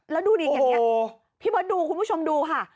แล้วดูนี่พี่บ๊อตดูคุณผู้ชมดูค่ะ